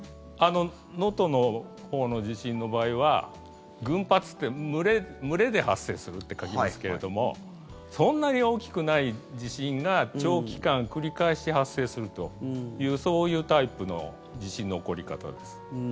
能登のほうの地震の場合は群発って群れで発生するって書きますけれどもそんなに大きくない地震が長期間繰り返し発生するというそういうタイプの地震の起こり方です。